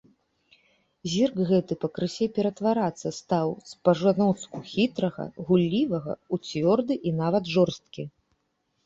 Зірк гэты пакрысе ператварацца стаў з па-жаноцку хітрага, гуллівага ў цвёрды і нават жорсткі.